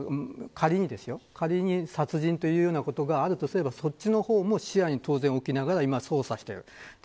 仮に殺人ということがあるとすればそちらの方も視野に置きながら捜査していると思います。